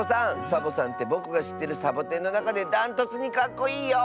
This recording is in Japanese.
サボさんってぼくがしってるサボテンのなかでだんとつにかっこいいよ！